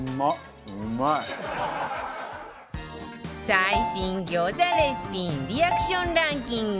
最新餃子レシピリアクションランキング